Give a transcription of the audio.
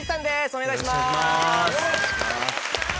お願いします。